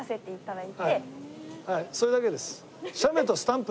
はいそれだけです。